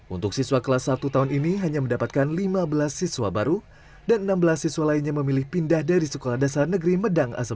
untuk siswa kelas satu tahun ini hanya mendapatkan lima belas siswa baru dan enam belas siswa lainnya memilih pindah dari sekolah dasar negeri medang asal